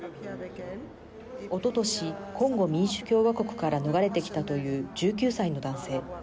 おととし、コンゴ民主共和国から逃れてきたという１９歳の男性。